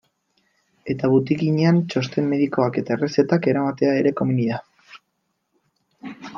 Eta botikinean txosten medikoak eta errezetak eramatea ere komeni da.